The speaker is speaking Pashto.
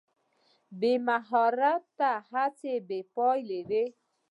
بې مهارته هڅه بې پایلې وي.